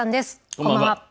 こんばんは。